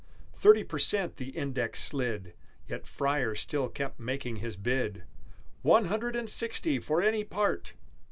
Thirty per cent the index slid, Yet Freyer still kept making his bid, "One Hundred and Sixty for any part!"